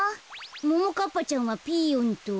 ももかっぱちゃんはピーヨンと。